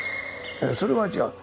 それは違う。